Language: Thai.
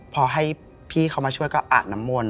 พอให้พี่เขามาช่วยก็อาบน้ำมนต